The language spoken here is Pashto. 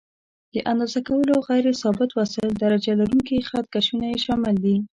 د اندازه کولو غیر ثابت وسایل: درجه لرونکي خط کشونه یې شامل دي.